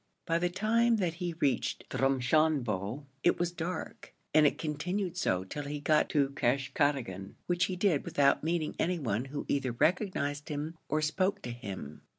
By the time that he reached Drumshambo it was dark, and it continued so till he got to Cashcarrigan, which he did without meeting any one who either recognised him or spoke to him.